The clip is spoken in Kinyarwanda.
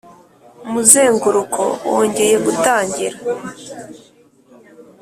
umuzenguruko wongeye gutangira